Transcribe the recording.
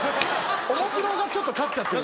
おもしろがちょっと勝っちゃってる。